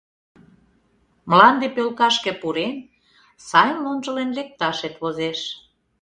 Мланде пӧлкашке пурен, сайын лончылен лекташет возеш.